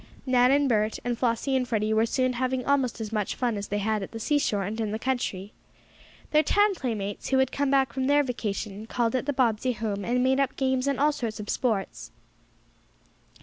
Nan and Bert, and Flossie and Freddie were soon having almost as much fun as they had had at the seashore and in the country. Their town playmates, who had come back from their vacations, called at the Bobbsey home, and made up games and all sorts of sports.